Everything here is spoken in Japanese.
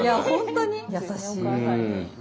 本当に優しい。